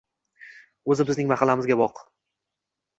Oʻzi bizning mahallamizga bop.